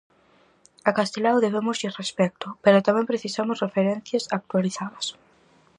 A Castelao debémoslle respecto, pero tamén precisamos referencias actualizadas.